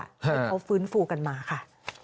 ให้เขาฟื้นฟูกันมาค่ะ